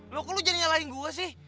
eh lo kok lo jadi nyalain gue sih